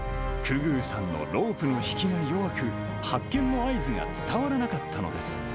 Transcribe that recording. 久々宇さんのロープの引きが弱く、発見の合図が伝わらなかったのです。